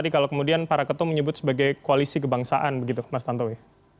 kalau kemudian para ketua menyebut sebagai koalisi kebangsaan begitu mas tantowi